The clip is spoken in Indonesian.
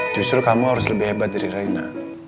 justru kamu harus lebih hebat dari raina